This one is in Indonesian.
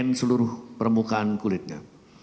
menye can seluruh permukaan kulitnya